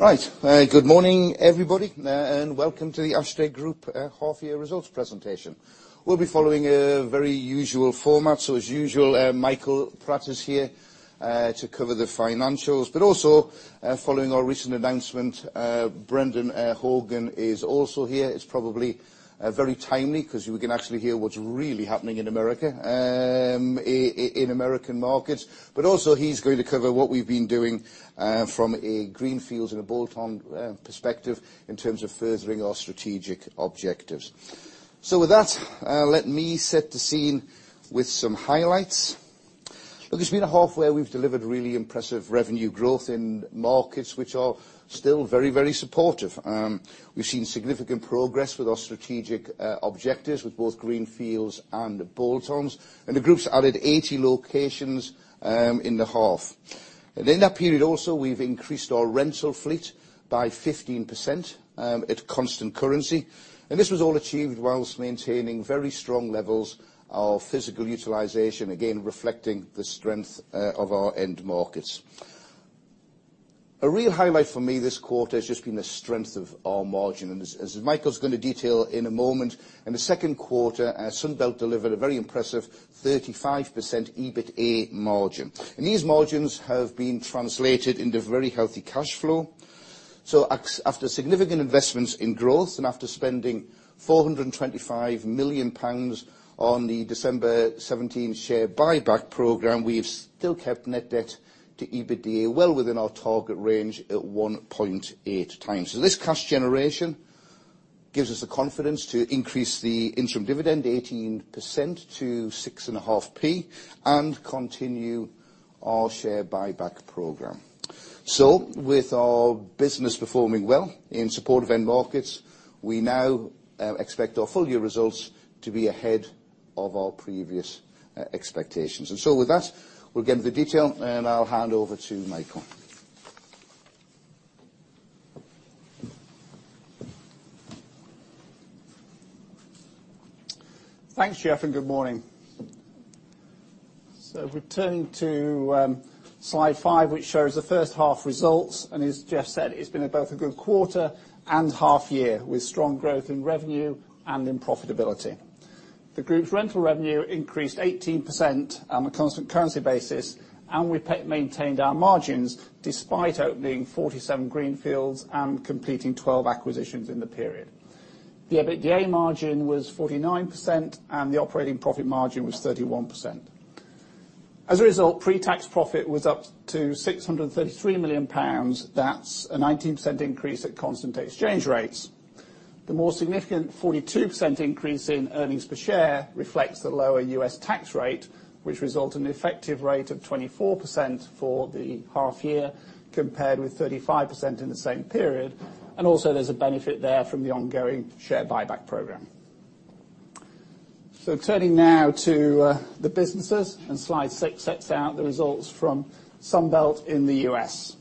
Good morning, everybody, and welcome to the Ashtead Group half-year results presentation. We'll be following a very usual format. As usual, Michael Pratt is here to cover the financials. Also, following our recent announcement, Brendan Horgan is also here. It's probably very timely because we can actually hear what's really happening in America, in American markets. Also, he's going to cover what we've been doing from a greenfields and a bolt-on perspective in terms of furthering our strategic objectives. With that, let me set the scene with some highlights. Look, it's been a half where we've delivered really impressive revenue growth in markets which are still very, very supportive. We've seen significant progress with our strategic objectives with both greenfields and bolt-ons. The groups added 80 locations in the half. In that period, also, we've increased our rental fleet by 15% at constant currency. This was all achieved whilst maintaining very strong levels of physical utilization, again, reflecting the strength of our end markets. A real highlight for me this quarter has just been the strength of our margin. As Michael is going to detail in a moment, in the second quarter, Sunbelt delivered a very impressive 35% EBITA margin. These margins have been translated into very healthy cash flow. After significant investments in growth and after spending 425 million pounds on the December 2017 share buyback program, we have still kept net debt to EBITDA well within our target range at 1.8 times. This cash generation gives us the confidence to increase the interim dividend 18% to six and a half p, and continue our share buyback program. With our business performing well in support of end markets, we now expect our full-year results to be ahead of our previous expectations. With that, we'll get into the detail, and I'll hand over to Michael. Thanks, Geoff. Good morning. If we turn to slide five, which shows the first half results, as Geoff said, it's been both a good quarter and half year, with strong growth in revenue and in profitability. The group's rental revenue increased 18% on a constant currency basis. We maintained our margins despite opening 47 greenfields and completing 12 acquisitions in the period. The EBITDA margin was 49%. The operating profit margin was 31%. As a result, pre-tax profit was up to 633 million pounds. That's a 19% increase at constant exchange rates. The more significant 42% increase in earnings per share reflects the lower U.S. tax rate, which result in an effective rate of 24% for the half year, compared with 35% in the same period. Also, there's a benefit there from the ongoing share buyback program. Turning now to the businesses, slide six sets out the results from Sunbelt in the U.S.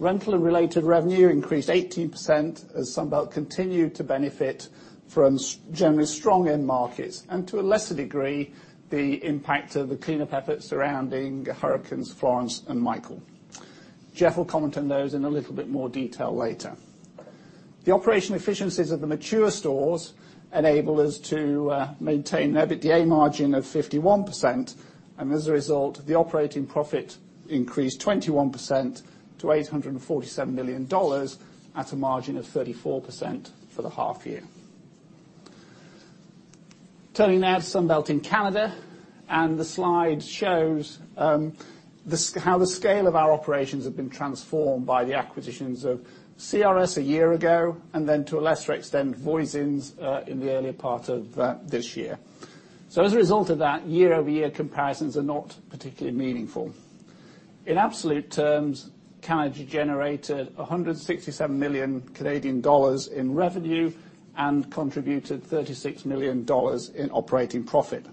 Rental and related revenue increased 18% as Sunbelt continued to benefit from generally strong end markets, and to a lesser degree, the impact of the cleanup efforts surrounding Hurricane Florence and Michael. Geoff will comment on those in a little bit more detail later. The operation efficiencies of the mature stores enable us to maintain EBITDA margin of 51%, and as a result, the operating profit increased 21% to $847 million at a margin of 34% for the half year. Turning now to Sunbelt in Canada, the slide shows how the scale of our operations have been transformed by the acquisitions of CRS a year ago, and then to a lesser extent, Voisin's in the earlier part of this year. As a result of that, year-over-year comparisons are not particularly meaningful. In absolute terms, Canada generated 167 million Canadian dollars in revenue and contributed 36 million dollars in operating profit.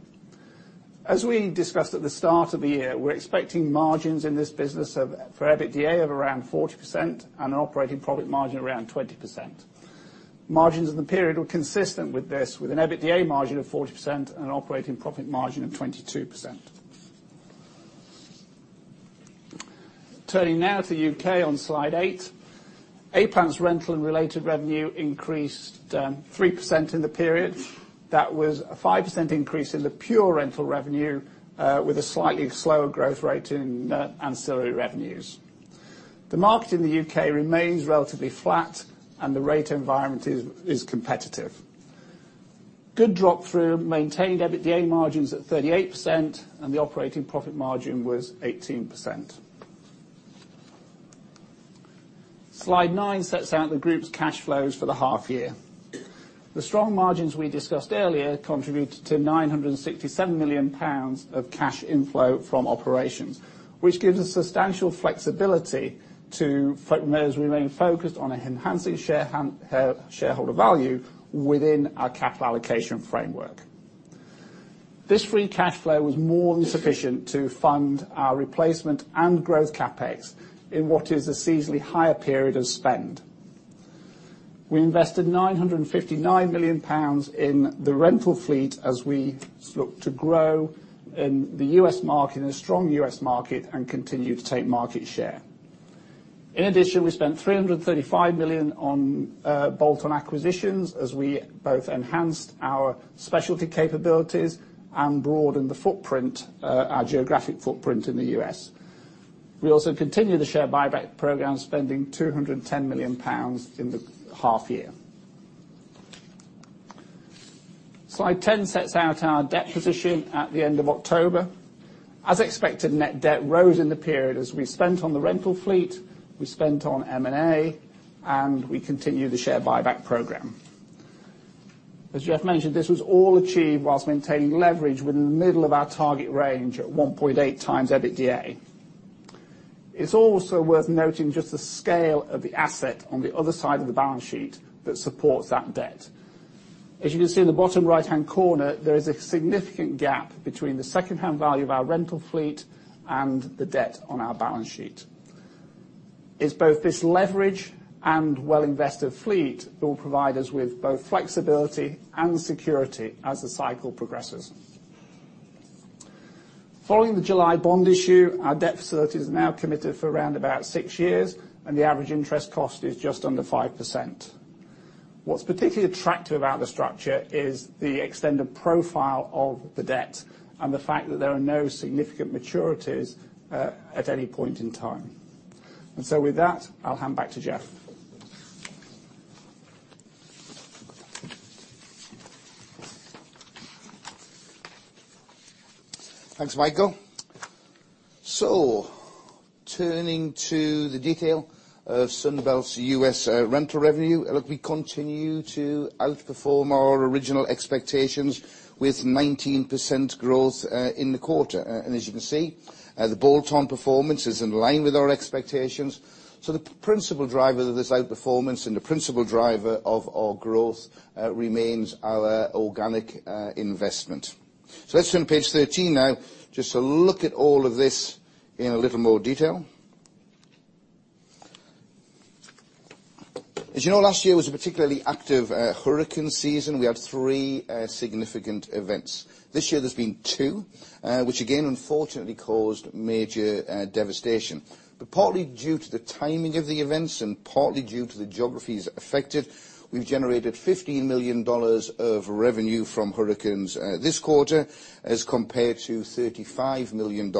As we discussed at the start of the year, we're expecting margins in this business for EBITDA of around 40% and an operating profit margin around 20%. Margins in the period were consistent with this, with an EBITDA margin of 40% and an operating profit margin of 22%. Turning now to U.K. on slide eight. A-Plant's rental and related revenue increased 3% in the period. That was a 5% increase in the pure rental revenue with a slightly slower growth rate in ancillary revenues. The market in the U.K. remains relatively flat and the rate environment is competitive. Good drop through maintained EBITDA margins at 38% and the operating profit margin was 18%. Slide nine sets out the group's cash flows for the half year. The strong margins we discussed earlier contributed to 967 million pounds of cash inflow from operations, which gives us substantial flexibility to remain focused on enhancing shareholder value within our capital allocation framework. This free cash flow was more than sufficient to fund our replacement and growth CapEx in what is a seasonally higher period of spend. We invested 959 million pounds in the rental fleet as we look to grow in the strong U.S. market and continue to take market share. In addition, we spent 335 million on bolt-on acquisitions as we both enhanced our specialty capabilities and broadened our geographic footprint in the U.S. We also continue the share buyback program, spending 210 million pounds in the half year. Slide 10 sets out our debt position at the end of October. As expected, net debt rose in the period as we spent on the rental fleet, we spent on M&A, we continued the share buyback program. As Geoff mentioned, this was all achieved whilst maintaining leverage within the middle of our target range at 1.8 times EBITDA. It's also worth noting just the scale of the asset on the other side of the balance sheet that supports that debt. As you can see in the bottom right-hand corner, there is a significant gap between the secondhand value of our rental fleet and the debt on our balance sheet. It's both this leverage and well-invested fleet that will provide us with both flexibility and security as the cycle progresses. Following the July bond issue, our debt facility is now committed for around about six years, the average interest cost is just under 5%. What's particularly attractive about the structure is the extended profile of the debt and the fact that there are no significant maturities at any point in time. With that, I'll hand back to Geoff. Thanks, Michael. Turning to the detail of Sunbelt's U.S. rental revenue. Look, we continue to outperform our original expectations with 19% growth in the quarter. As you can see, the bolt-on performance is in line with our expectations. The principal driver of this outperformance and the principal driver of our growth remains our organic investment. Let's turn to page 13 now just to look at all of this in a little more detail. As you know, last year was a particularly active hurricane season. We had three significant events. This year there's been two, which again, unfortunately caused major devastation. Partly due to the timing of the events and partly due to the geographies affected, we've generated $15 million of revenue from hurricanes this quarter as compared to $35 million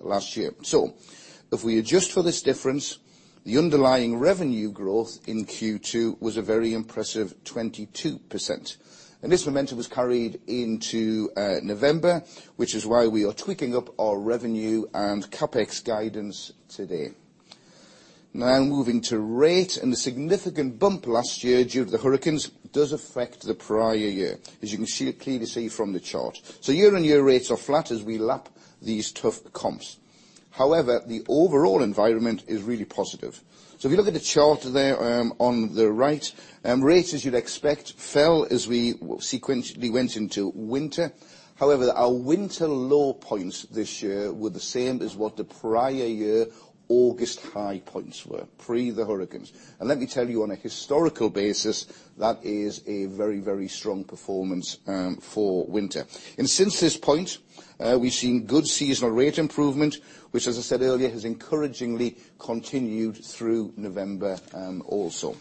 last year. If we adjust for this difference, the underlying revenue growth in Q2 was a very impressive 22%. This momentum was carried into November, which is why we are tweaking up our revenue and CapEx guidance today. Now moving to rate, and the significant bump last year due to the hurricanes does affect the prior year, as you can clearly see from the chart. Year-on-year rates are flat as we lap these tough comps. However, the overall environment is really positive. If you look at the chart there on the right, rates as you'd expect, fell as we sequentially went into winter. However, our winter low points this year were the same as what the prior year August high points were, pre the hurricanes. Let me tell you on a historical basis, that is a very strong performance for winter. Since this point, we've seen good seasonal rate improvement, which as I said earlier, has encouragingly continued through November also.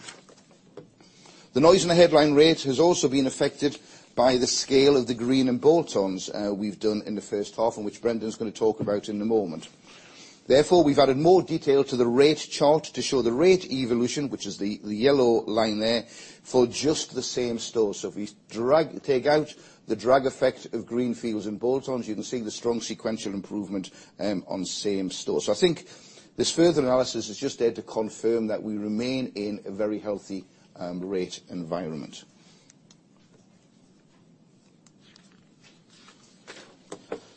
The noise in the headline rate has also been affected by the scale of the green and bolt-ons we've done in the first half, which Brendan's going to talk about in a moment. Therefore, we've added more detail to the rate chart to show the rate evolution, which is the yellow line there, for just the same store. If we take out the drag effect of greenfields and bolt-ons, you can see the strong sequential improvement on same store. I think this further analysis is just there to confirm that we remain in a very healthy rate environment.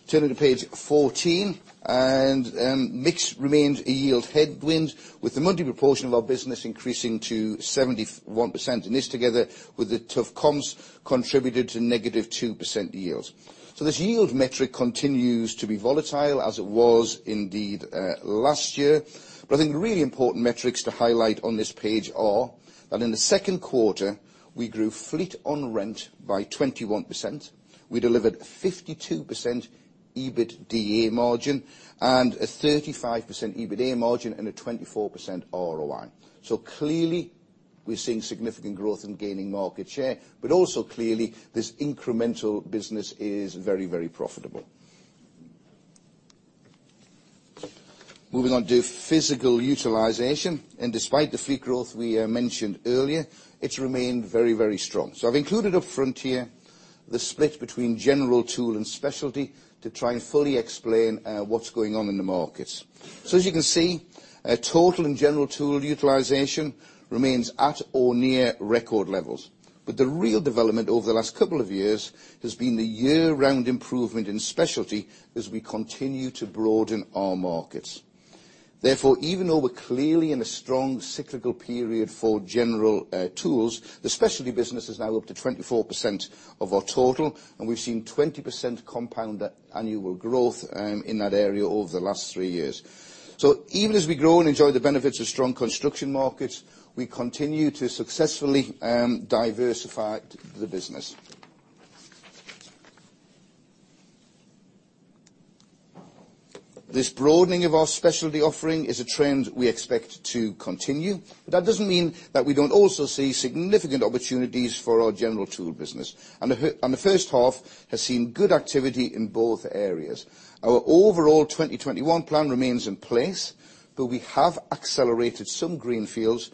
Turning to page 14, and mix remains a yield headwind with the multi proportion of our business increasing to 71%. This together with the tough comps contributed to negative 2% yields. This yield metric continues to be volatile as it was indeed last year. I think the really important metrics to highlight on this page are that in the second quarter, we grew fleet on rent by 21%. We delivered 52% EBITDA margin and a 35% EBITA margin and a 24% ROI. Clearly, we're seeing significant growth in gaining market share, but also clearly this incremental business is very profitable. Moving on to physical utilization, and despite the fleet growth we mentioned earlier, it's remained very strong. I've included up front here, the split between general tool and specialty to try and fully explain what's going on in the markets. As you can see, total and general tool utilization remains at or near record levels. The real development over the last couple of years has been the year-round improvement in specialty as we continue to broaden our markets. Therefore, even though we're clearly in a strong cyclical period for general tools, the specialty business is now up to 24% of our total, and we've seen 20% compound annual growth in that area over the last three years. Even as we grow and enjoy the benefits of strong construction markets, we continue to successfully diversify the business. This broadening of our specialty offering is a trend we expect to continue. That doesn't mean that we don't also see significant opportunities for our general tool business. The first half has seen good activity in both areas. Our overall 2021 plan remains in place, but we have accelerated some greenfields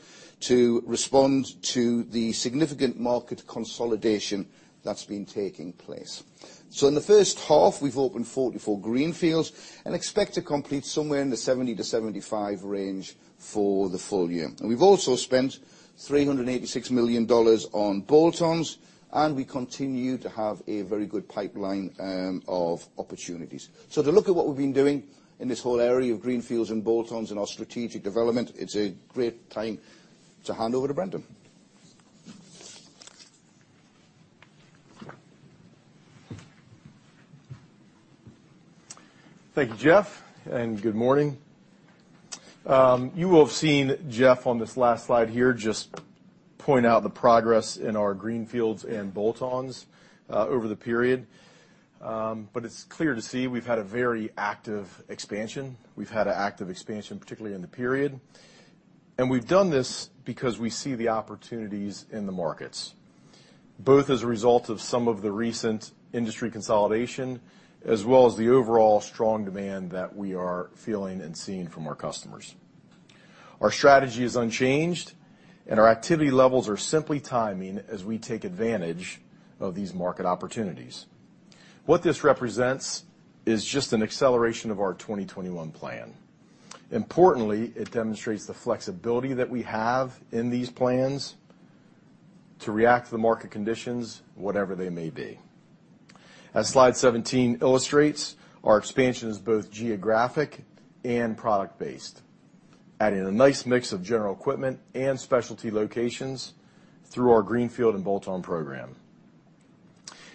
to respond to the significant market consolidation that's been taking place. In the first half, we've opened 44 greenfields, and expect to complete somewhere in the 70-75 range for the full year. We've also spent GBP 386 million on bolt-ons, and we continue to have a very good pipeline of opportunities. To look at what we've been doing in this whole area of greenfields and bolt-ons and our strategic development, it's a great time to hand over to Brendan. Thank you, Geoff, and good morning. You will have seen Geoff on this last slide here just point out the progress in our greenfields and bolt-ons over the period. It's clear to see we've had a very active expansion. We've had active expansion, particularly in the period. We've done this because we see the opportunities in the markets, both as a result of some of the recent industry consolidation, as well as the overall strong demand that we are feeling and seeing from our customers. Our strategy is unchanged, and our activity levels are simply timing as we take advantage of these market opportunities. What this represents is just an acceleration of our 2021 plan. Importantly, it demonstrates the flexibility that we have in these plans to react to the market conditions, whatever they may be. As slide 17 illustrates, our expansion is both geographic and product based, adding a nice mix of general equipment and specialty locations through our greenfield and bolt-on program.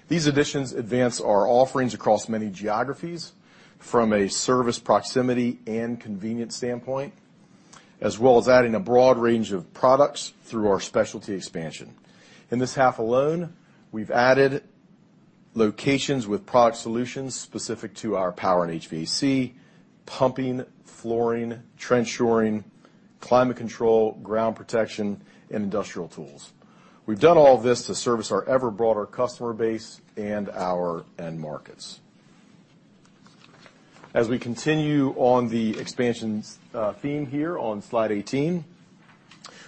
These additions advance our offerings across many geographies from a service proximity and convenience standpoint, as well as adding a broad range of products through our specialty expansion. In this half alone, we've added locations with product solutions specific to our power and HVAC, pumping, flooring, trench shoring, climate control, ground protection, and Industrial Tools. We've done all this to service our ever broader customer base and our end markets. As we continue on the expansions theme here on slide 18,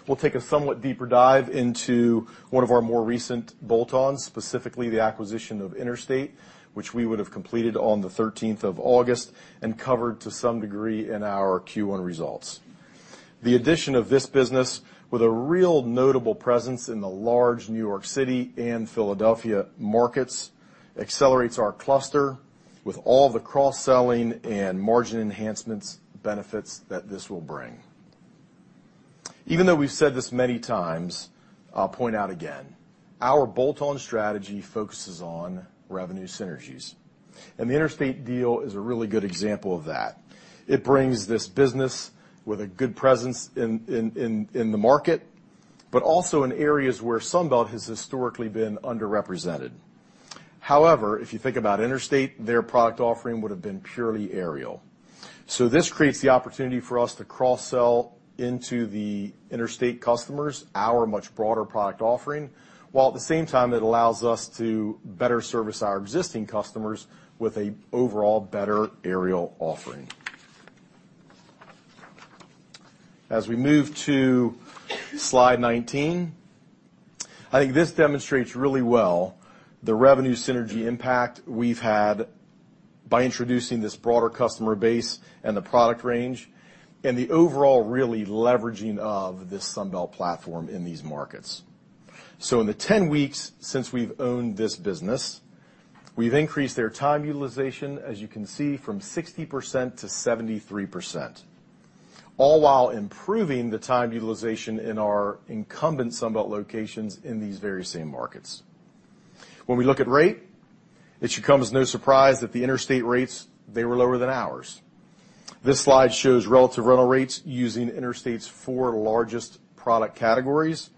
we'll take a somewhat deeper dive into one of our more recent bolt-ons, specifically the acquisition of Interstate, which we would have completed on the 13th of August and covered to some degree in our Q1 results. The addition of this business, with a real notable presence in the large New York City and Philadelphia markets, accelerates our cluster with all the cross-selling and margin enhancements benefits that this will bring. Even though we've said this many times, I'll point out again, our bolt-on strategy focuses on revenue synergies. The Interstate deal is a really good example of that. It brings this business with a good presence in the market, but also in areas where Sunbelt has historically been underrepresented. However, if you think about Interstate, their product offering would have been purely aerial. This creates the opportunity for us to cross-sell into the Interstate customers our much broader product offering, while at the same time it allows us to better service our existing customers with an overall better aerial offering. As we move to slide 19, I think this demonstrates really well the revenue synergy impact we've had by introducing this broader customer base and the product range and the overall really leveraging of the Sunbelt platform in these markets. In the 10 weeks since we've owned this business, we've increased their time utilization, as you can see, from 60% to 73%, all while improving the time utilization in our incumbent Sunbelt locations in these very same markets. When we look at rate, it should come as no surprise that the Interstate rates, they were lower than ours. This slide shows relative rental rates using Interstate's four largest product categories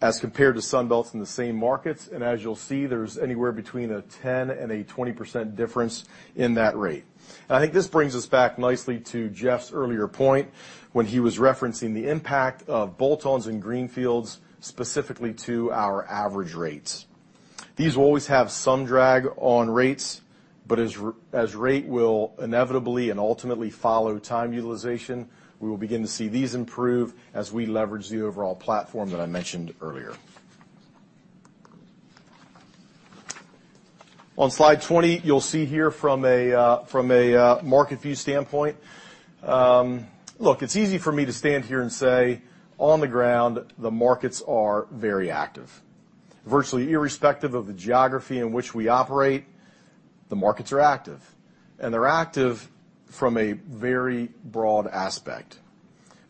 as compared to Sunbelt's in the same markets. As you'll see, there's anywhere between a 10% and a 20% difference in that rate. I think this brings us back nicely to Geoff's earlier point when he was referencing the impact of bolt-ons and greenfields, specifically to our average rates. These will always have some drag on rates, but as rate will inevitably and ultimately follow time utilization, we will begin to see these improve as we leverage the overall platform that I mentioned earlier. On slide 20, you'll see here from a market view standpoint, look, it's easy for me to stand here and say on the ground, the markets are very active. Virtually irrespective of the geography in which we operate, the markets are active, and they're active from a very broad aspect.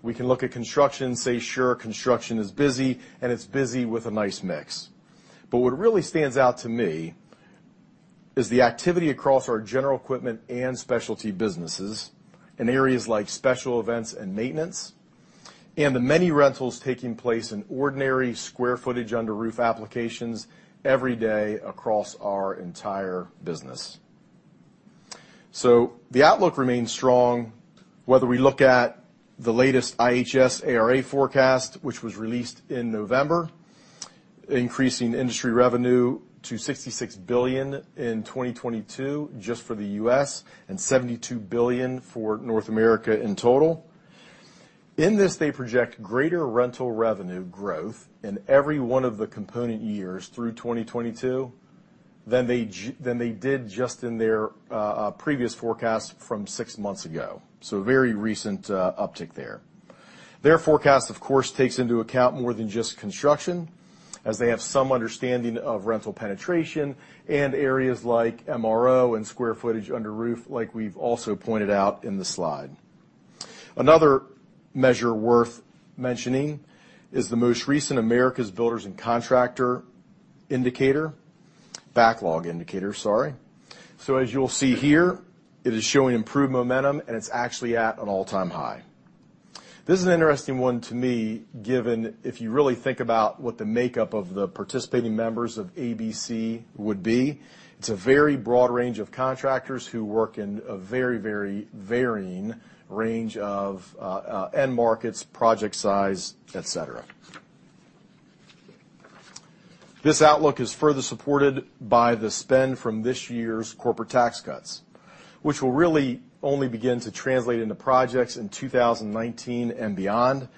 We can look at construction and say, sure, construction is busy, and it's busy with a nice mix. What really stands out to me is the activity across our general equipment and specialty businesses in areas like special events and maintenance. And the many rentals taking place in ordinary square footage under roof applications every day across our entire business. The outlook remains strong, whether we look at the latest IHS ARA forecast, which was released in November, increasing industry revenue to $66 billion in 2022 just for the U.S., and $72 billion for North America in total. In this, they project greater rental revenue growth in every one of the component years through 2022 than they did just in their previous forecast from six months ago. A very recent uptick there. Their forecast, of course, takes into account more than just construction, as they have some understanding of rental penetration in areas like MRO and square footage under roof, like we've also pointed out in the slide. Another measure worth mentioning is the most recent Associated Builders and Contractor Indicator. Backlog Indicator, sorry. As you'll see here, it is showing improved momentum, and it's actually at an all-time high. This is an interesting one to me, given if you really think about what the makeup of the participating members of ABC would be. It's a very broad range of contractors who work in a very varying range of end markets, project size, et cetera. This outlook is further supported by the spend from this year's corporate tax cuts, which will really only begin to translate into projects in 2019 and beyond.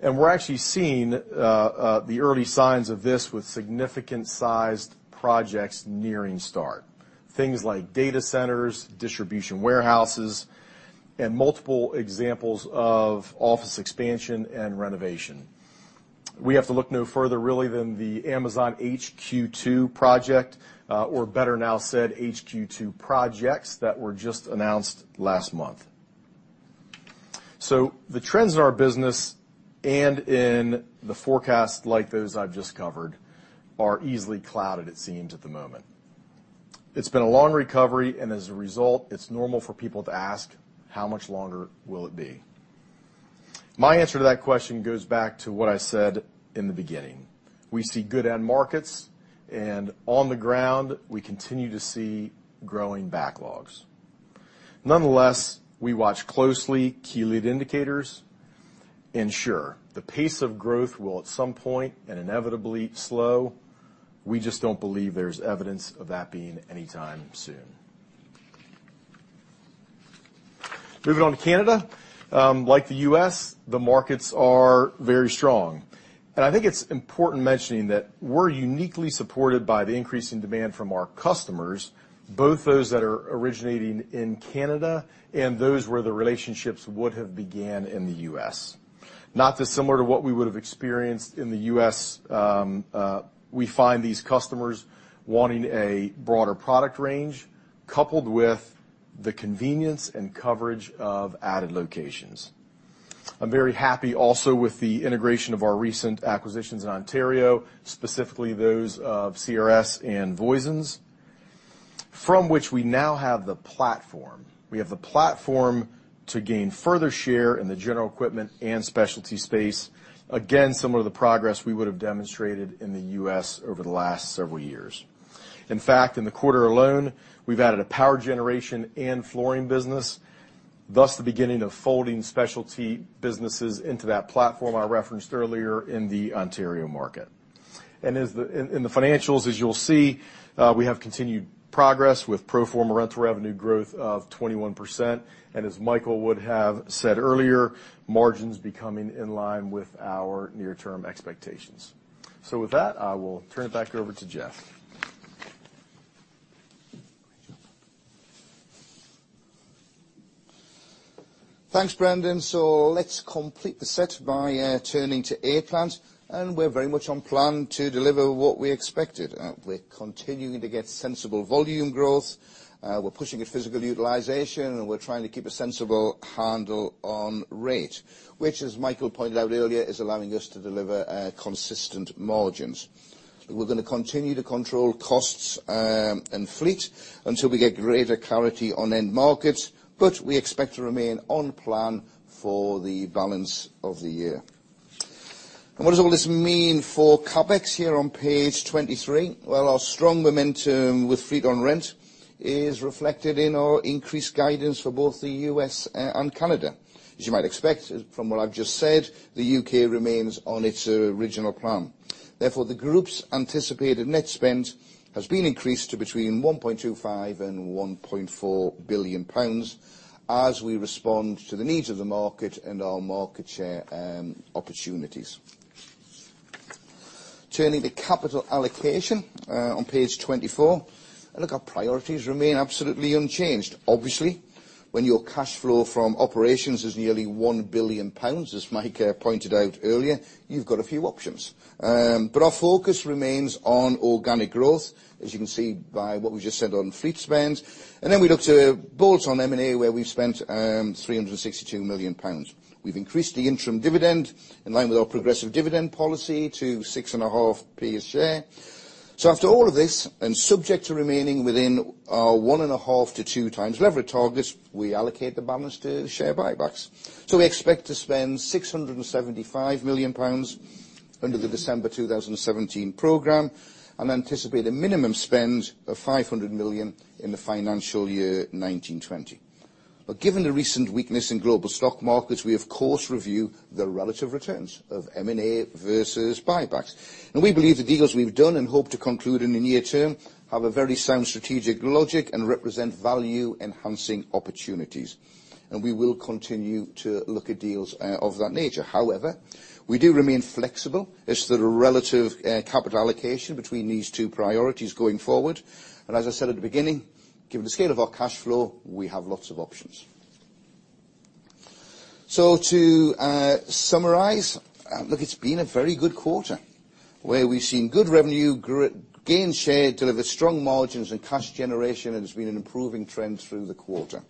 We're actually seeing the early signs of this with significant sized projects nearing start. Things like data centers, distribution warehouses, and multiple examples of office expansion and renovation. We have to look no further really than the Amazon HQ2 project, or better now said, HQ2 projects, that were just announced last month. The trends in our business and in the forecast, like those I've just covered, are easily clouded, it seems, at the moment. It's been a long recovery, and as a result, it's normal for people to ask, "How much longer will it be?" My answer to that question goes back to what I said in the beginning. We see good end markets, and on the ground, we continue to see growing backlogs. Nonetheless, we watch closely key lead indicators. Sure, the pace of growth will at some point and inevitably slow. We just don't believe there's evidence of that being anytime soon. Moving on to Canada. Like the U.S., the markets are very strong. I think it's important mentioning that we're uniquely supported by the increase in demand from our customers, both those that are originating in Canada and those where the relationships would have began in the U.S. Not dissimilar to what we would have experienced in the U.S., we find these customers wanting a broader product range coupled with the convenience and coverage of added locations. I'm very happy also with the integration of our recent acquisitions in Ontario, specifically those of CRS and Voisins, from which we now have the platform. We have the platform to gain further share in the general equipment and specialty space. Again, similar to the progress we would have demonstrated in the U.S. over the last several years. In fact, in the quarter alone, we've added a power generation and flooring business, thus the beginning of folding specialty businesses into that platform I referenced earlier in the Ontario market. In the financials, as you'll see, we have continued progress with pro forma rental revenue growth of 21%. As Michael would have said earlier, margins becoming in line with our near-term expectations. With that, I will turn it back over to Geoff. Thanks, Brendan. Let's complete the set by turning to A-Plant. We're very much on plan to deliver what we expected. We're continuing to get sensible volume growth. We're pushing at physical utilization, and we're trying to keep a sensible handle on rate, which, as Michael pointed out earlier, is allowing us to deliver consistent margins. We're going to continue to control costs and fleet until we get greater clarity on end markets, but we expect to remain on plan for the balance of the year. What does all this mean for CapEx here on page 23? Well, our strong momentum with fleet on rent is reflected in our increased guidance for both the U.S. and Canada. As you might expect from what I've just said, the U.K. remains on its original plan. Therefore, the group's anticipated net spend has been increased to between 1.25 billion and 1.4 billion pounds as we respond to the needs of the market and our market share opportunities. Turning to capital allocation on page 24. Look, our priorities remain absolutely unchanged. Obviously, when your cash flow from operations is nearly 1 billion pounds, as Mike pointed out earlier, you've got a few options. Our focus remains on organic growth, as you can see by what we just said on fleet spend. We look to bolts on M&A, where we've spent 362 million pounds. We've increased the interim dividend in line with our progressive dividend policy to 0.065 a share. After all of this, and subject to remaining within our one and a half to two times leverage targets, we allocate the balance to share buybacks. We expect to spend 675 million pounds under the December 2017 program, and anticipate a minimum spend of 500 million in the financial year 2019-2020. Given the recent weakness in global stock markets, we of course review the relative returns of M&A versus buybacks. We believe the deals we've done, and hope to conclude in the near term, have a very sound strategic logic, and represent value-enhancing opportunities. We will continue to look at deals of that nature. However, we do remain flexible as to the relative capital allocation between these two priorities going forward. As I said at the beginning, given the scale of our cash flow, we have lots of options. To summarize, look, it's been a very good quarter, where we've seen good revenue, gained share, delivered strong margins and cash generation, and it's been an improving trend through the quarter.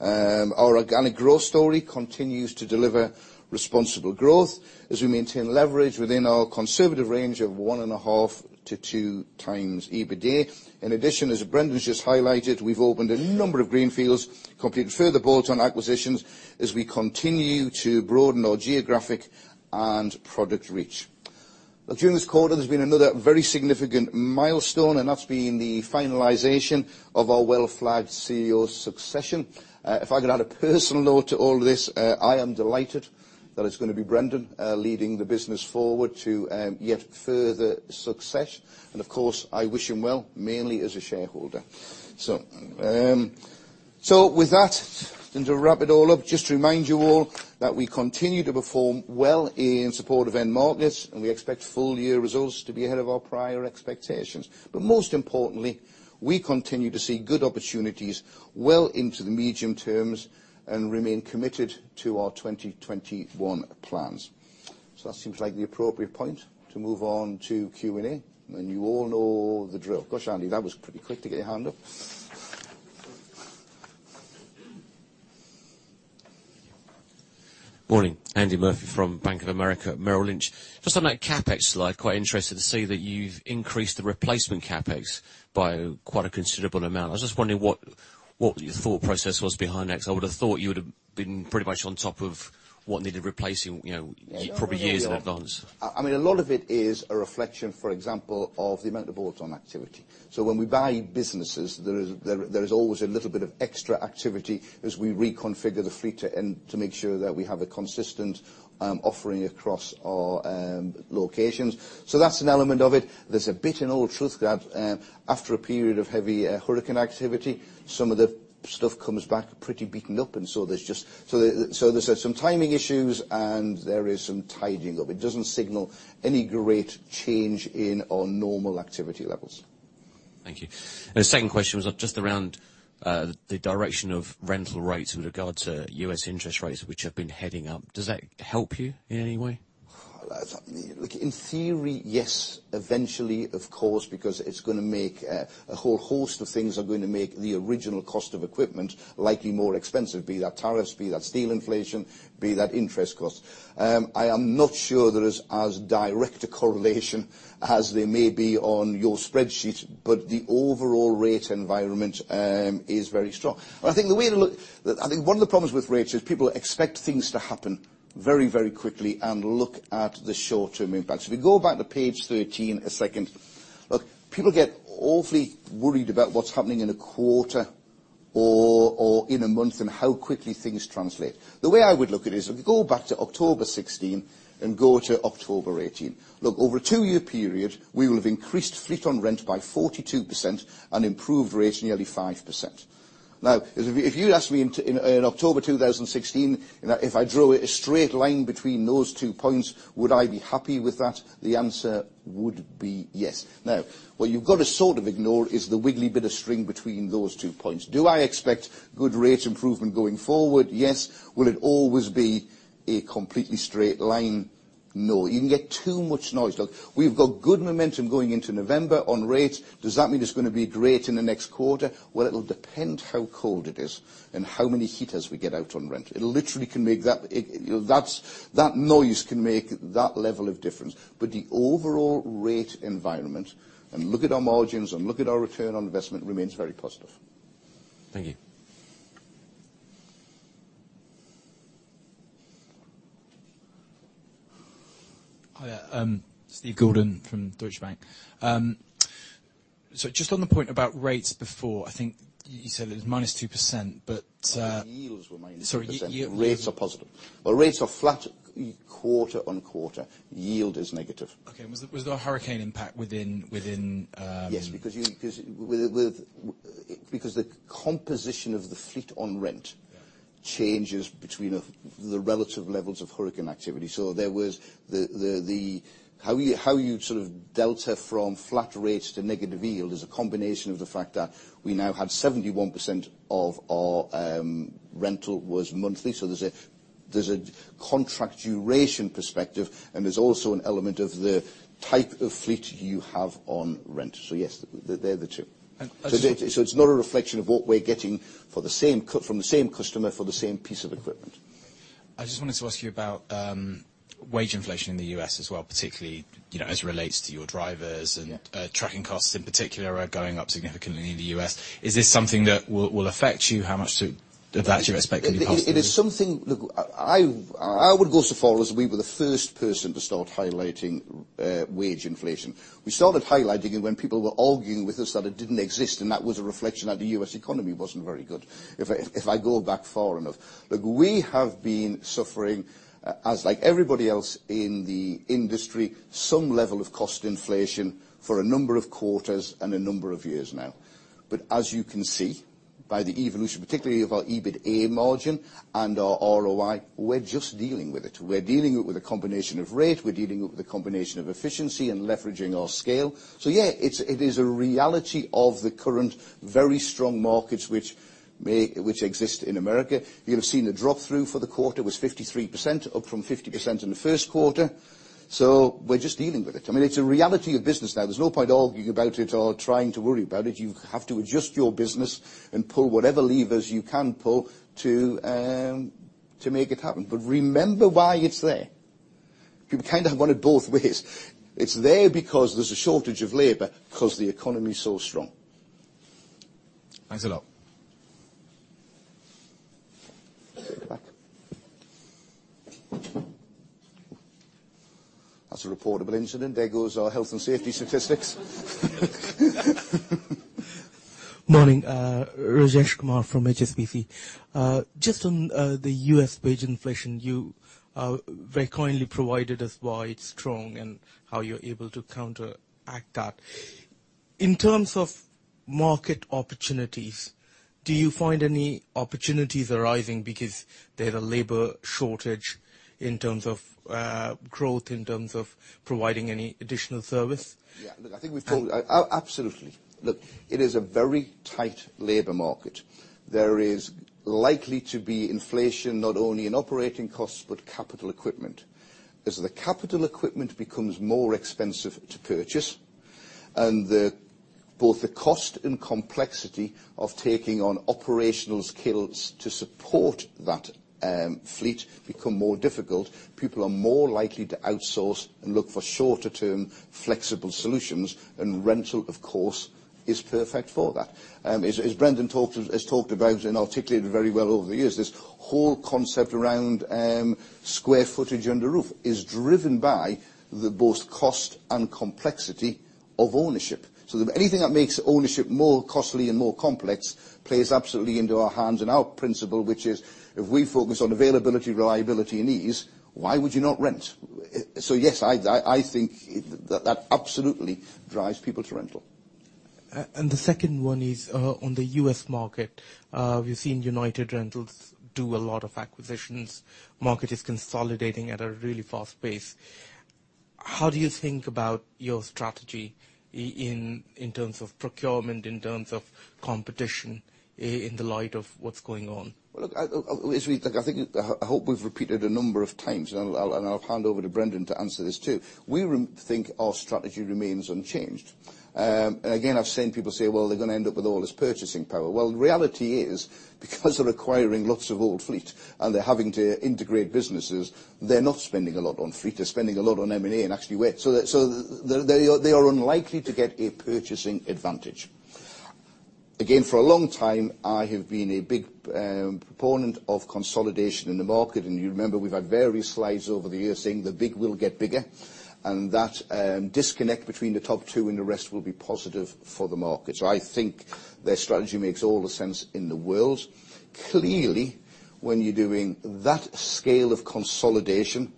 Our organic growth story continues to deliver responsible growth as we maintain leverage within our conservative range of 1.5 to 2 times EBITDA. In addition, as Brendan's just highlighted, we've opened a number of greenfields, completed further bolt-on acquisitions as we continue to broaden our geographic and product reach. During this quarter, there's been another very significant milestone, and that's been the finalization of our well-flagged CEO succession. If I could add a personal note to all this, I am delighted that it's going to be Brendan leading the business forward to yet further success. Of course, I wish him well, mainly as a shareholder. With that, and to wrap it all up, just to remind you all that we continue to perform well in support of end markets, and we expect full year results to be ahead of our prior expectations. Most importantly, we continue to see good opportunities well into the medium terms, and remain committed to our 2021 plans. That seems like the appropriate point to move on to Q&A. You all know the drill. Gosh, Andy, that was pretty quick to get your hand up. Morning. Andy Murphy from Bank of America Merrill Lynch. Just on that CapEx slide, quite interested to see that you've increased the replacement CapEx by quite a considerable amount. I was just wondering what your thought process was behind that. I would've thought you would've been pretty much on top of what needed replacing probably years in advance. I mean, a lot of it is a reflection, for example, of the amount of bolt-on activity. When we buy businesses, there is always a little bit of extra activity as we reconfigure the fleet to make sure that we have a consistent offering across our locations. That's an element of it. There's a bit in old truth that after a period of heavy hurricane activity, some of the stuff comes back pretty beaten up. There's some timing issues, and there is some tidying up. It doesn't signal any great change in our normal activity levels. Thank you. The second question was just around the direction of rental rates with regard to U.S. interest rates, which have been heading up. Does that help you in any way? Look, in theory, yes. Eventually, of course, because a whole host of things are going to make the original cost of equipment likely more expensive, be that tariffs, be that steel inflation, be that interest cost. I am not sure there is as direct a correlation as there may be on your spreadsheets, but the overall rate environment is very strong. I think one of the problems with rates is people expect things to happen very quickly, and look at the short-term impact. If you go back to page 13 a second, look, people get awfully worried about what's happening in a quarter or in a month and how quickly things translate. The way I would look at it is, if we go back to October 2016 and go to October 2018. Look, over a two-year period, we will have increased fleet on rent by 42% and improved rates nearly 5%. Now, if you'd asked me in October 2016 and if I drew a straight line between those two points, would I be happy with that? The answer would be yes. Now, what you've got to sort of ignore is the wiggly bit of string between those two points. Do I expect good rate improvement going forward? Yes. Will it always be a completely straight line? No. You can get too much noise. Look, we've got good momentum going into November on rates. Does that mean it's going to be great in the next quarter? Well, it'll depend how cold it is and how many heaters we get out on rent. That noise can make that level of difference. The overall rate environment, and look at our margins, and look at our return on investment, remains very positive. Thank you. Hi there. Steven Fisher from Deutsche Bank. Just on the point about rates before, I think you said it was -2%, but- Yields were -2%. Sorry, you- Rates are positive. Well, rates are flat quarter-on-quarter. Yield is negative. Okay. Was the hurricane impact within- Yes, because the composition of the fleet on rent changes between the relative levels of hurricane activity. How you sort of delta from flat rates to negative yield is a combination of the fact that we now have 71% of our rental was monthly. There's a contract duration perspective, and there's also an element of the type of fleet you have on rent. Yes, they're the two. - It's not a reflection of what we're getting from the same customer for the same piece of equipment I just wanted to ask you about wage inflation in the U.S. as well, particularly as it relates to your drivers. Yeah Tracking costs in particular are going up significantly in the U.S. Is this something that will affect you? How much of that do you expect in your cost? It is something. Look, I would go so far as we were the first person to start highlighting wage inflation. We started highlighting it when people were arguing with us that it didn't exist, and that was a reflection that the U.S. economy wasn't very good, if I go back far enough. Look, we have been suffering, as like everybody else in the industry, some level of cost inflation for a number of quarters and a number of years now. As you can see, by the evolution, particularly of our EBITA margin and our ROI, we're just dealing with it. We're dealing with a combination of rate. We're dealing with a combination of efficiency and leveraging our scale. Yeah, it is a reality of the current very strong markets which exist in America. You'll have seen the drop-through for the quarter was 53%, up from 50% in the first quarter. We're just dealing with it. It's a reality of business now. There's no point arguing about it or trying to worry about it. You have to adjust your business and pull whatever levers you can pull to make it happen. Remember why it's there. People kind of want it both ways. It's there because there's a shortage of labor because the economy is so strong. Thanks a lot. Take the back. That's a reportable incident. There goes our health and safety statistics. Morning. Rajesh Kumar from HSBC. Just on the U.S. wage inflation, you very kindly provided us why it's strong and how you're able to counteract that. In terms of market opportunities, do you find any opportunities arising because there's a labor shortage in terms of growth, in terms of providing any additional service? Absolutely. Look, it is a very tight labor market. There is likely to be inflation not only in operating costs, but capital equipment. As the capital equipment becomes more expensive to purchase and both the cost and complexity of taking on operational skills to support that fleet become more difficult, people are more likely to outsource and look for shorter-term flexible solutions, and rental, of course, is perfect for that. As Brendan has talked about and articulated very well over the years, this whole concept around square footage under roof is driven by the both cost and complexity of ownership. Anything that makes ownership more costly and more complex plays absolutely into our hands and our principle, which is if we focus on availability, reliability, and ease, why would you not rent? Yes, I think that absolutely drives people to rental. The second one is on the U.S. market. We've seen United Rentals do a lot of acquisitions. Market is consolidating at a really fast pace. How do you think about your strategy in terms of procurement, in terms of competition, in the light of what's going on? Well, look, I think, I hope we've repeated a number of times, and I'll hand over to Brendan to answer this, too. We think our strategy remains unchanged. Again, I've seen people say, well, they're going to end up with all this purchasing power. Well, the reality is, because they're acquiring lots of old fleet and they're having to integrate businesses, they're not spending a lot on fleet. They're spending a lot on M&A and actually. They are unlikely to get a purchasing advantage. Again, for a long time, I have been a big proponent of consolidation in the market, and you remember we've had various slides over the years saying the big will get bigger, and that disconnect between the top two and the rest will be positive for the market. I think their strategy makes all the sense in the world. Clearly, when you're doing that scale of consolidation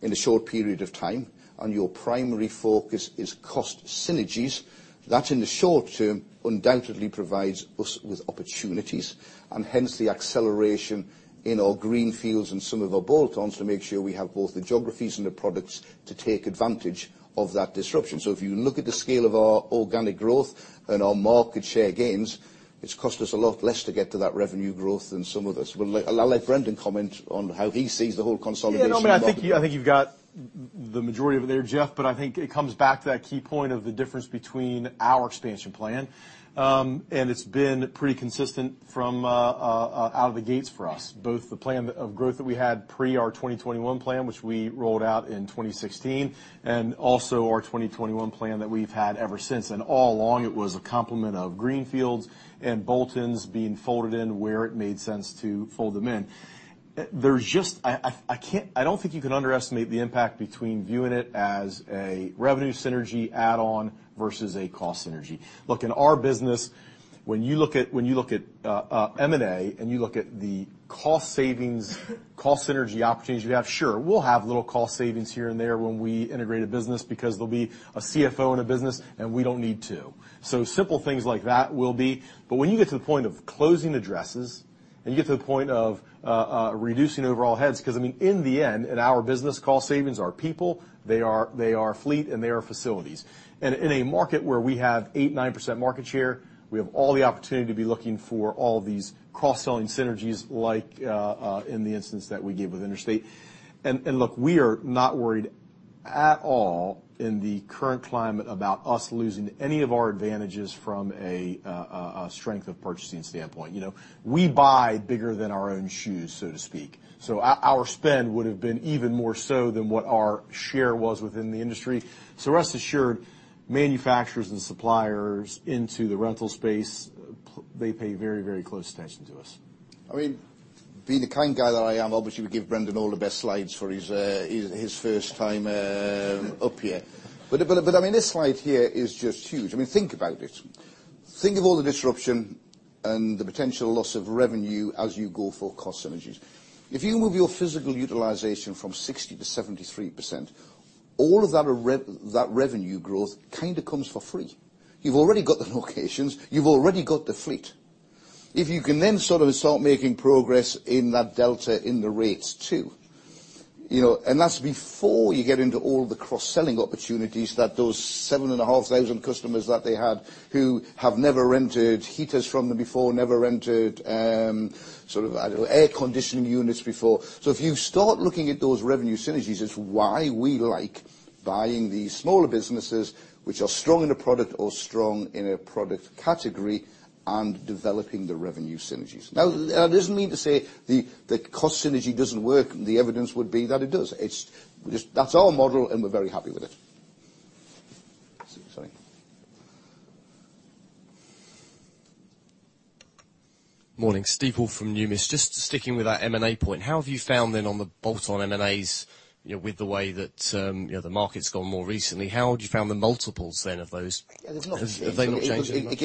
in a short period of time and your primary focus is cost synergies, that in the short term undoubtedly provides us with opportunities, and hence the acceleration in our greenfields and some of our bolt-ons to make sure we have both the geographies and the products to take advantage of that disruption. If you look at the scale of our organic growth and our market share gains, it's cost us a lot less to get to that revenue growth than some others. I'll let Brendan comment on how he sees the whole consolidation model. Yeah, no, man, I think you've got the majority of it there, Geoff, it comes back to that key point of the difference between our expansion plan. It's been pretty consistent from out of the gates for us, both the plan of growth that we had pre our 2021 plan, which we rolled out in 2016, also our 2021 plan that we've had ever since. All along it was a complement of greenfields and bolt-ons being folded in where it made sense to fold them in. I don't think you can underestimate the impact between viewing it as a revenue synergy add-on versus a cost synergy. Look, in our business, when you look at M&A and you look at the cost savings, cost synergy opportunities you have, sure, we'll have little cost savings here and there when we integrate a business because there'll be a CFO in a business and we don't need two. Simple things like that will be. When you get to the point of closing addresses and you get to the point of reducing overall heads, because in the end, in our business, cost savings are people, they are fleet, and they are facilities. In a market where we have eight, nine% market share, we have all the opportunity to be looking for all these cross-selling synergies like in the instance that we gave with Interstate. Look, we are not worried at all in the current climate about us losing any of our advantages from a strength of purchasing standpoint. We buy bigger than our own shoes, so to speak. Our spend would've been even more so than what our share was within the industry. Rest assured, manufacturers and suppliers into the rental space, they pay very close attention to us. Being the kind guy that I am, obviously, we give Brendan all the best slides for his first time up here. This slide here is just huge. Think about it. Think of all the disruption and the potential loss of revenue as you go for cost synergies. If you move your physical utilization from 60 to 73%, all of that revenue growth kind of comes for free. You've already got the locations, you've already got the fleet. If you can then sort of start making progress in that delta in the rates, too, that's before you get into all the cross-selling opportunities that those 7,500 customers that they had, who have never rented heaters from them before, never rented air-conditioning units before. If you start looking at those revenue synergies, it's why we like buying these smaller businesses, which are strong in a product or strong in a product category, and developing the revenue synergies. Now, that isn't meant to say the cost synergy doesn't work. The evidence would be that it does. That's our model, and we're very happy with it. Sorry. Morning. Steeple from Numis. Sticking with that M&A point. How have you found then on the bolt-on M&As with the way that the market's gone more recently? How have you found the multiples then of those? It's not changed. Have they not changed that much?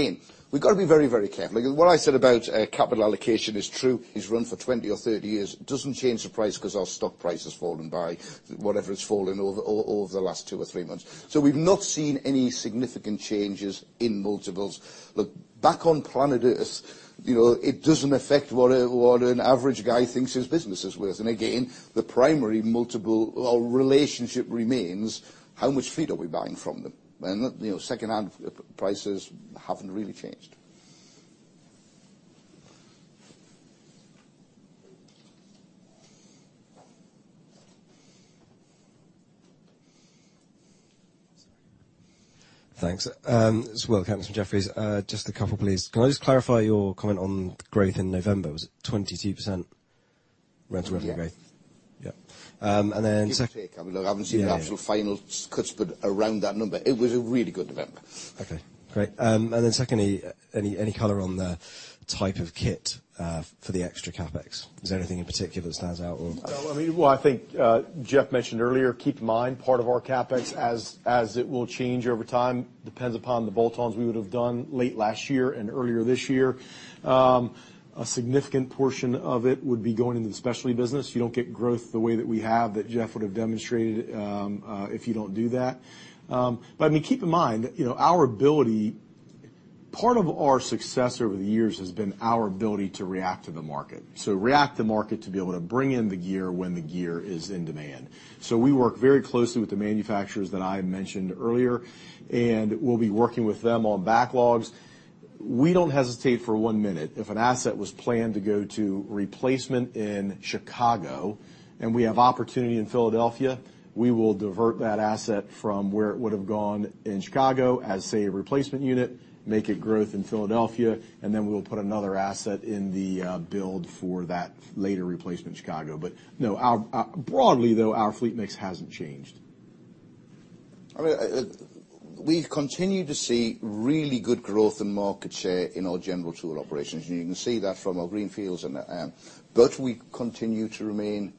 We've got to be very clear. What I said about capital allocation is true. It's run for 20 or 30 years. It doesn't change the price because our stock price has fallen by, whatever it's fallen over the last two or three months. We've not seen any significant changes in multiples. Look, back on planet Earth, it doesn't affect what an average guy thinks his business is worth. Again, the primary multiple or relationship remains, how much fleet are we buying from them? Second-hand prices haven't really changed. Thanks. It's Will Catms from Jefferies. Just a couple, please. Can I just clarify your comment on growth in November? Was it 22% rental revenue growth? Yeah. Yep. Give or take. I mean, look, I haven't seen the absolute final cuts, but around that number. It was a really good November. Okay, great. Secondly, any color on the type of kit for the extra CapEx? Is there anything in particular that stands out or? No, well, I think Geoff mentioned earlier, keep in mind, part of our CapEx as it will change over time, depends upon the bolt-ons we would've done late last year and earlier this year. A significant portion of it would be going into the specialty business. You don't get growth the way that we have, that Geoff would've demonstrated, if you don't do that. Keep in mind, part of our success over the years has been our ability to react to the market. React to market to be able to bring in the gear when the gear is in demand. We work very closely with the manufacturers that I mentioned earlier, and we'll be working with them on backlogs. We don't hesitate for one minute. If an asset was planned to go to replacement in Chicago, and we have opportunity in Philadelphia, we will divert that asset from where it would've gone in Chicago as, say, a replacement unit, make it growth in Philadelphia, we will put another asset in the build for that later replacement in Chicago. Broadly, though, our fleet mix hasn't changed. We continue to see really good growth and market share in our general tool operations. You can see that from our greenfields. We continue to remain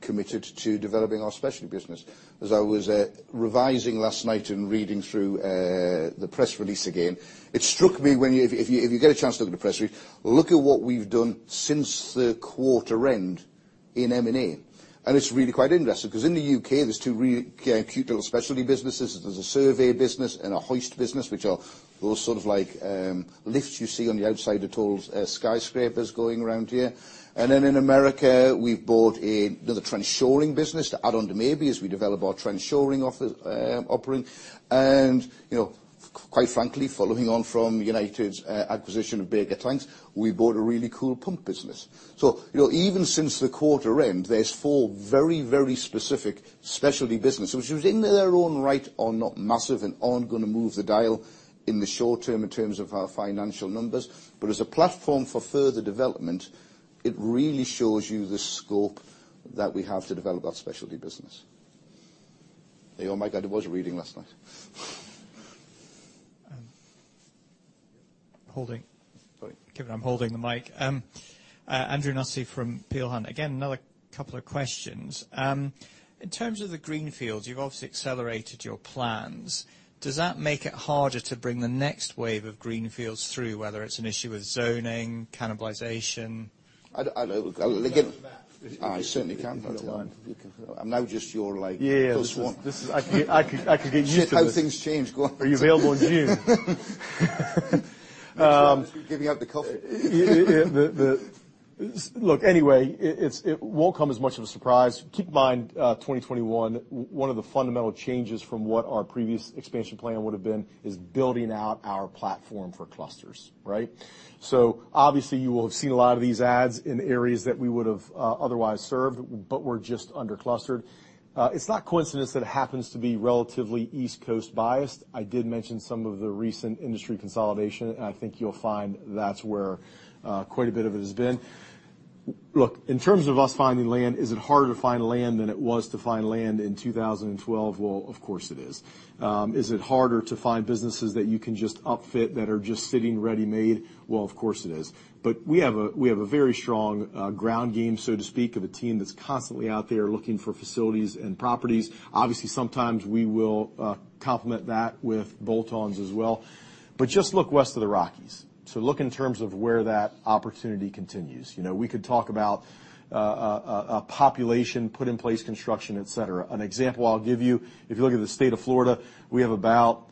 committed to developing our specialty business. As I was revising last night and reading through the press release again, it struck me. If you get a chance to look at the press release, look at what we've done since the quarter end in M&A. It's really quite interesting, because in the U.K., there's two really cute little specialty businesses. There's a survey business and a hoist business, which are those sort of like lifts you see on the outside of tall skyscrapers going around here. In America, we bought another trench shoring business to add on to maybe as we develop our trench shoring offering. Quite frankly, following on from United Rentals' acquisition of BakerCorp, we bought a really cool pump business. Even since the quarter end, there's four very specific specialty businesses, which in their own right are not massive and aren't going to move the dial in the short term in terms of our financial numbers. As a platform for further development, it really shows you the scope that we have to develop our specialty business. Oh my God, it was reading last night. Holding. Sorry. Given I'm holding the mic. Andrew Nussey from Peel Hunt. Again, another couple of questions. In terms of the greenfields, you've obviously accelerated your plans. Does that make it harder to bring the next wave of greenfields through, whether it's an issue with zoning, cannibalization? I know. You can have that. I certainly can. I don't mind. I'm now just your. Yeah go-to one. I could get used to this. Shit, how things change. Go on. Are you available in June? He's the one that should be giving out the coffee. The Anyway, it won't come as much of a surprise. Keep in mind, 2021, one of the fundamental changes from what our previous expansion plan would have been is building out our platform for clusters. Right? Obviously, you will have seen a lot of these ads in areas that we would have otherwise served, but were just under clustered. It's not coincidence that it happens to be relatively East Coast biased. I did mention some of the recent industry consolidation, and I think you'll find that's where quite a bit of it has been. In terms of us finding land, is it harder to find land than it was to find land in 2012? Well, of course it is. Is it harder to find businesses that you can just upfit that are just sitting ready-made? Well, of course it is. We have a very strong ground game, so to speak, of a team that's constantly out there looking for facilities and properties. Obviously, sometimes we will complement that with bolt-ons as well. Just look west of the Rockies. In terms of where that opportunity continues. We could talk about population, put in place construction, et cetera. An example I'll give you, if you look at the State of Florida, we have about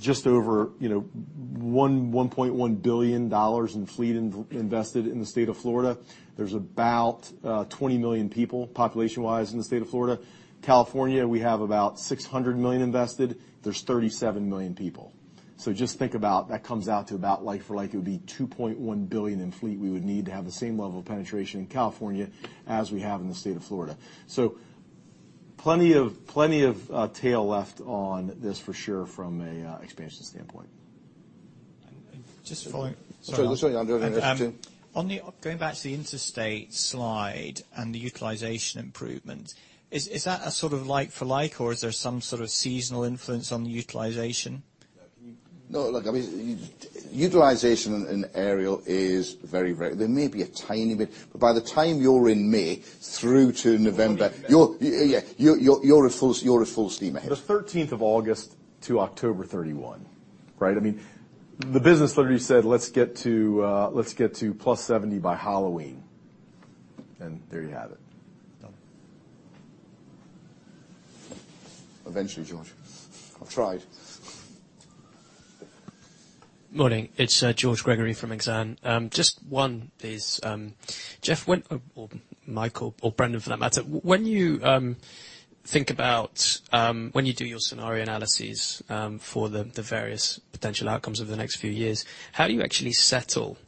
just over $1.1 billion in fleet invested in the State of Florida. There's about 20 million people population-wise in the State of Florida. California, we have about $600 million invested. There's 37 million people. Just think about that comes out to about like for like, it would be $2.1 billion in fleet we would need to have the same level of penetration in California as we have in the State of Florida. plenty of tail left on this for sure from a expansion standpoint. just following- Sorry. I do have another question. Going back to the Interstate slide and the utilization improvement, is that a sort of like for like, or is there some sort of seasonal influence on the utilization? No. Can you- No. Look, I mean, utilization in aerial is very rare. There may be a tiny bit. By the time you're in May through to November- The 13th. Yeah. You're at full steam ahead. The 13th of August to October 31, right? I mean, the business literally said, let's get to plus 70 by Halloween. There you have it. Done. Eventually, George. I've tried. Morning. It's George Gregory from Exane. Just one is, Geoff, or Mike, or Brendan for that matter, when you do your scenario analysis for the various potential outcomes over the next few years, how do you actually settle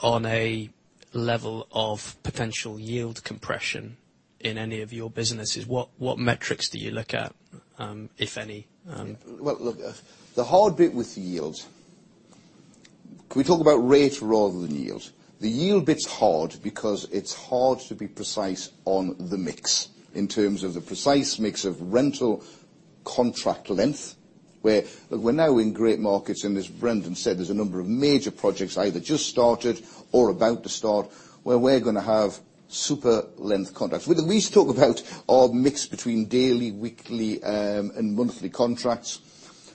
on a level of potential yield compression in any of your businesses? What metrics do you look at, if any? Well, look, the hard bit with yields. Can we talk about rate rather than yields? The yield bit's hard because it's hard to be precise on the mix in terms of the precise mix of rental contract length, where we're now in great markets, and as Brendan said, there's a number of major projects either just started or about to start, where we're going to have super length contracts. We at least talk about our mix between daily, weekly, and monthly contracts.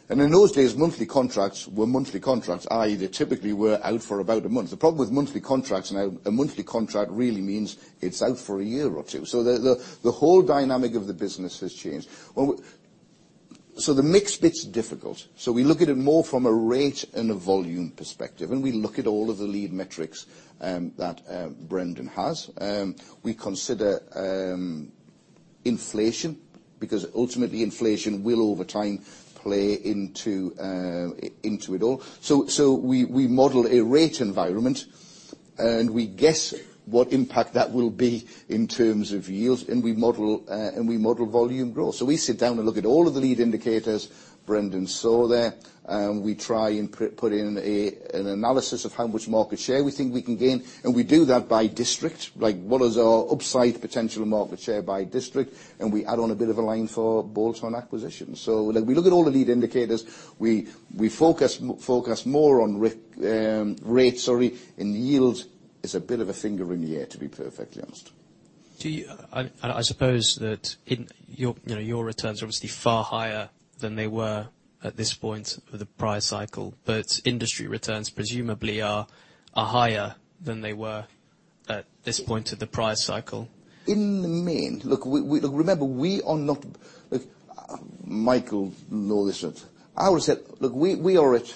In those days, monthly contracts were monthly contracts, i.e., they typically were out for about a month. The problem with monthly contracts now, a monthly contract really means it's out for a year or two. The whole dynamic of the business has changed. The mix bit's difficult. We look at it more from a rate and a volume perspective, and we look at all of the lead metrics that Brendan has. We consider inflation, because ultimately inflation will, over time, play into it all. We model a rate environment, and we guess what impact that will be in terms of yields, and we model volume growth. We sit down and look at all of the lead indicators Brendan saw there. We try and put in an analysis of how much market share we think we can gain, and we do that by district. Like what is our upside potential market share by district, and we add on a bit of a line for bolt-on acquisition. Look, we look at all the lead indicators. We focus more on rates, and yields is a bit of a finger in the air, to be perfectly honest. I suppose that your returns are obviously far higher than they were at this point of the prior cycle, but industry returns presumably are higher than they were at this point of the prior cycle. In the main. Remember, Michael will know this. I would say, look, we are at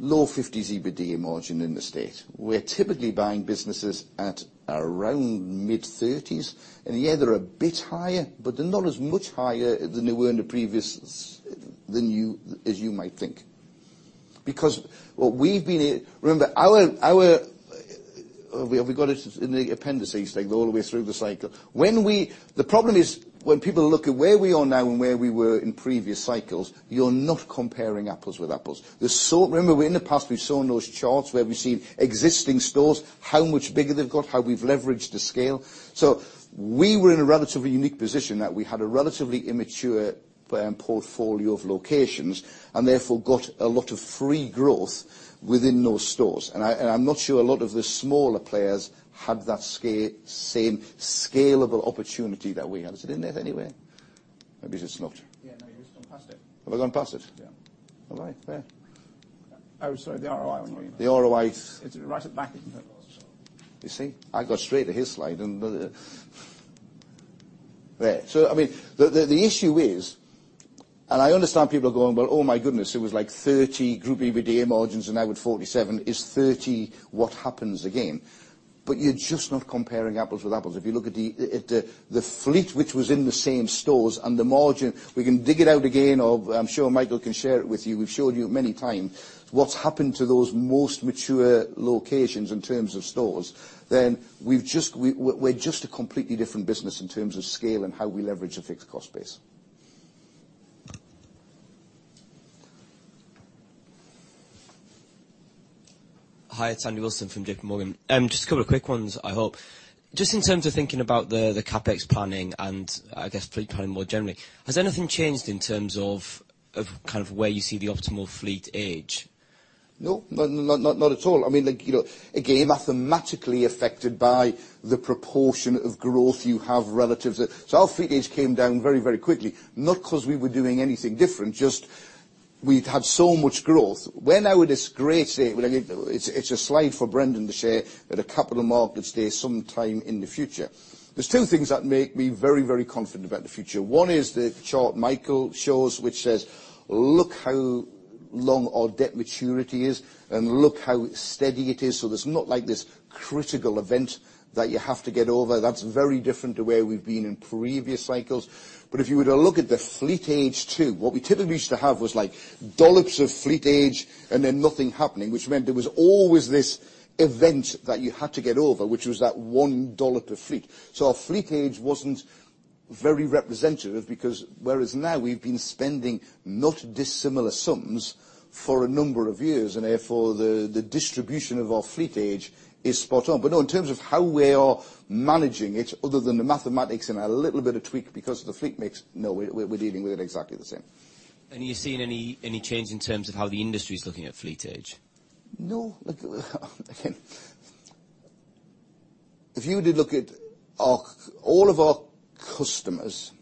low 50s EBITDA margin in the State. We're typically buying businesses at around mid-30s. In a year, they're a bit higher, but they're not as much higher than they were in the previous, as you might think. Remember, have we got it in the appendices, like all the way through the cycle? The problem is when people look at where we are now and where we were in previous cycles, you're not comparing apples with apples. Remember, in the past, we've shown those charts where we see existing stores, how much bigger they've got, how we've leveraged the scale. We were in a relatively unique position that we had a relatively immature portfolio of locations, and therefore got a lot of free growth within those stores. I'm not sure a lot of the smaller players had that same scalable opportunity that we had. Is it in there anywhere? Maybe it's not. Yeah. No, you've just gone past it. Have I gone past it? Yeah. All right. Fair. Oh, sorry. The ROI one. The ROI. It's right at the back. You see? I got straight to his slide. There. The issue is, I understand people are going, "Well, oh my goodness, it was like 30% group EBITDA margins and now we're 47%. Is 30% what happens again?" You're just not comparing apples with apples. If you look at the fleet which was in the same stores and the margin, we can dig it out again of I'm sure Michael can share it with you. We've shown you many times what's happened to those most mature locations in terms of stores, we're just a completely different business in terms of scale and how we leverage the fixed cost base. Hi, it's Andy Wilson from JP Morgan. Just a couple of quick ones, I hope. Just in terms of thinking about the CapEx planning and, I guess, fleet planning more generally, has anything changed in terms of where you see the optimal fleet age? No, not at all. Again, mathematically affected by the proportion of growth you have relative to. Our fleet age came down very quickly, not because we were doing anything different, just we'd had so much growth. When I would disagree, say, it's a slide for Brendan to share at a capital markets day sometime in the future. There's two things that make me very confident about the future. One is the chart Michael shows, which says, look how long our debt maturity is, and look how steady it is. There's not like this critical event that you have to get over. That's very different to where we've been in previous cycles. If you were to look at the fleet age too, what we typically used to have was dollops of fleet age and then nothing happening, which meant there was always this event that you had to get over, which was that one dollop of fleet. Our fleet age wasn't very representative because whereas now we've been spending not dissimilar sums for a number of years, and therefore the distribution of our fleet age is spot on. No, in terms of how we are managing it, other than the mathematics and a little bit of tweak because of the fleet mix, no, we're dealing with it exactly the same. Are you seeing any change in terms of how the industry's looking at fleet age? No. If you were to look at all of our customers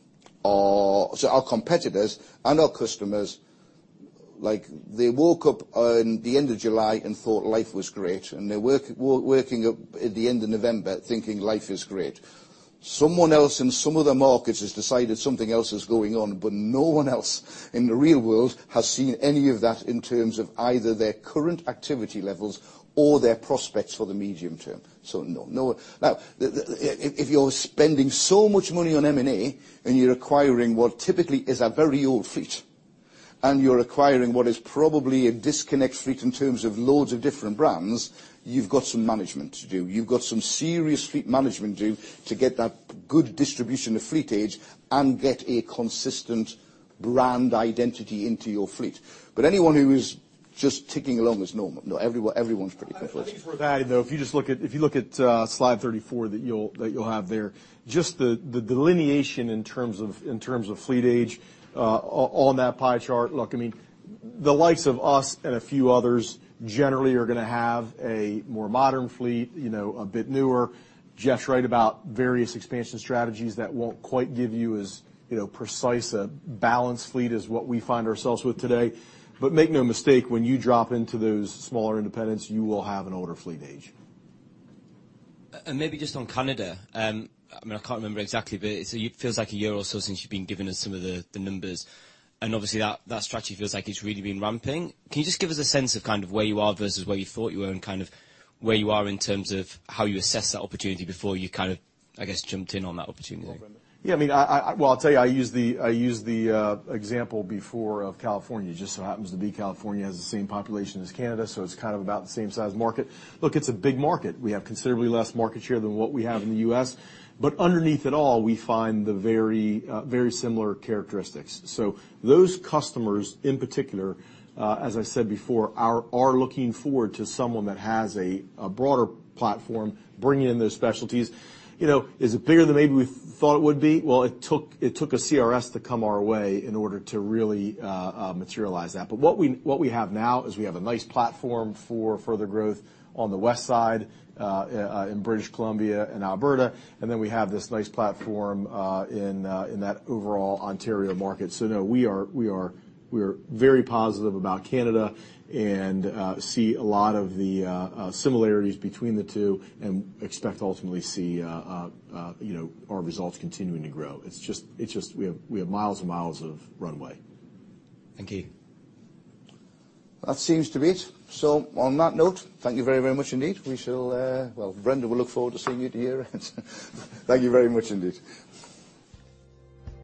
are. Our competitors and our customers, they woke up in the end of July and thought life was great, and they're waking up at the end of November thinking life is great. Someone else in some other markets has decided something else is going on, but no one else in the real world has seen any of that in terms of either their current activity levels or their prospects for the medium term. No. Now, if you're spending so much money on M&A and you're acquiring what typically is a very old fleet, and you're acquiring what is probably a disconnect fleet in terms of loads of different brands, you've got some management to do. You've got some serious fleet management to do to get that good distribution of fleet age and get a consistent brand identity into your fleet. Anyone who is just ticking along is normal. Everyone's pretty comfortable. I think it's worth adding, though, if you look at slide 34 that you'll have there, just the delineation in terms of fleet age on that pie chart. Look, the likes of us and a few others generally are going to have a more modern fleet, a bit newer. Geoff's right about various expansion strategies that won't quite give you as precise a balanced fleet as what we find ourselves with today. Make no mistake, when you drop into those smaller independents, you will have an older fleet age. Maybe just on Canada. I can't remember exactly, but it feels like a year or so since you've been giving us some of the numbers. Obviously, that strategy feels like it's really been ramping. Can you just give us a sense of where you are versus where you thought you were and where you are in terms of how you assess that opportunity before you, I guess, jumped in on that opportunity? Go on, Brendan. I'll tell you, I used the example before of California. Just so happens to be California has the same population as Canada, so it's about the same size market. Look, it's a big market. We have considerably less market share than what we have in the U.S., but underneath it all, we find the very similar characteristics. Those customers, in particular, as I said before, are looking forward to someone that has a broader platform bringing in those specialties. Is it bigger than maybe we thought it would be? It took a CRS to come our way in order to really materialize that. What we have now is we have a nice platform for further growth on the west side in British Columbia and Alberta, we have this nice platform in that overall Ontario market. No, we are very positive about Canada and see a lot of the similarities between the two and expect to ultimately see our results continuing to grow. We have miles and miles of runway. Thank you. That seems to be it. On that note, thank you very much indeed. Brendan, we look forward to seeing you at year end. Thank you very much indeed.